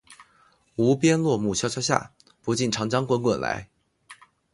无边落木萧萧下，不尽长江滚滚来